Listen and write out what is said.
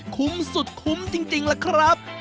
คุ้มสุดคุ้มจริงล่ะครับ